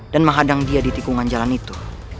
dan menghadang dia di tikungan jalan itu